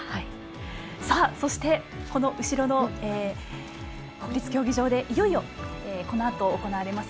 そして、国立競技場でいよいよこのあと行われます